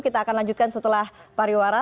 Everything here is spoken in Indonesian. kita akan lanjutkan setelah pariwara